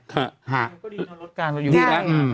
ก็ดีนะรถกาลเราอยู่ที่รถกาลไหมเนอะ